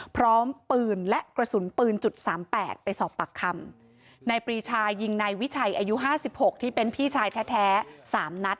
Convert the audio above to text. พร้อมปืนและกระสุนปืนจุดสามแปดไปสอบปากคำนายปรีชายิงนายวิชัยอายุห้าสิบหกที่เป็นพี่ชายแท้สามนัด